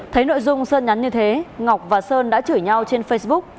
thấy nội dung sơn nhắn như thế ngọc và sơn đã chửi nhau trên facebook